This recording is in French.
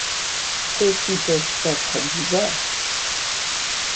Ceux-ci peuvent être divers.